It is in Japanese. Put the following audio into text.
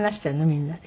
みんなで。